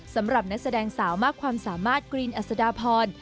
สำหรับนักแสดงสาวมากความสามารถกรีนอัศดาพร